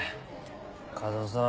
加藤さん。